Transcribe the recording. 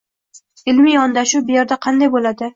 Ilmiy yondashuv bu yerda qanday bo‘ladi?